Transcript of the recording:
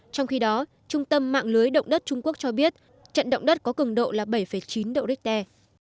trong khi đó trung tâm mạng lưới động đất trung quốc cho biết trận động đất có cứng độ là bảy chín doricte